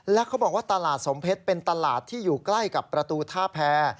และเขาบอกว่าตลาดสมเพชรเป็นตลาดที่อยู่ใกล้กับประตูท่าแพร